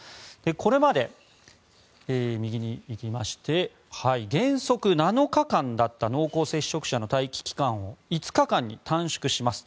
これまで原則７日間だった濃厚接触者の待機期間を５日間に短縮します。